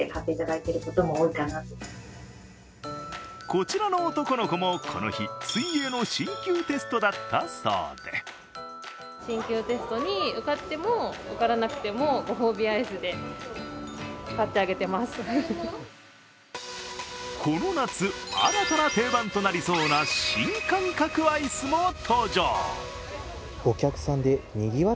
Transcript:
こちらの男の子もこの日、水泳の進級テストだったそうでこの夏、新たな定番となりそうな新感覚アイスも登場。